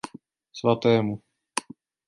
Svatému.